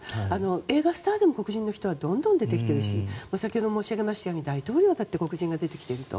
映画スターでも黒人の人はどんどん出てきているし先ほど申し上げたように大統領も黒人が出てきていると。